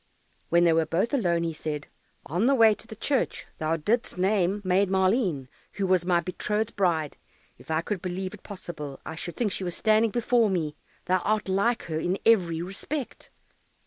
When they were both alone, he said, "On the way to church thou didst name Maid Maleen, who was my betrothed bride; if I could believe it possible, I should think she was standing before me thou art like her in every respect."